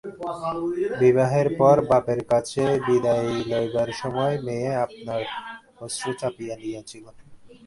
বিবাহের পর বাপের কাছে বিদায় লইবার সময় মেয়ে আপনার অশ্রু চাপিয়া নিয়াছিল।